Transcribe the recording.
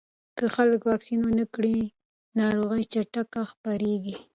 که خلک واکسین ونه کړي، ناروغي چټکه خپرېږي.